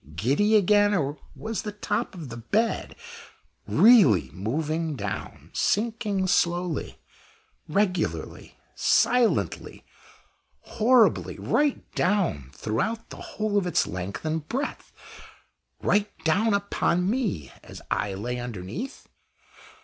giddy again? or was the top of the bed really moving down sinking slowly, regularly, silently, horribly, right down throughout the whole of its length and breadth right down upon me, as I lay underneath?